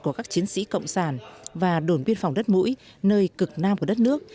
của các chiến sĩ cộng sản và đồn biên phòng đất mũi nơi cực nam của đất nước